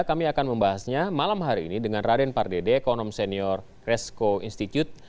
kami akan membahasnya malam hari ini dengan raden pardede ekonom senior resko institute